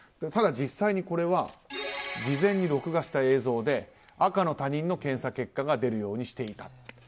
ただ実際は事前に録画した映像で赤の他人の検査結果が出るようにしていた。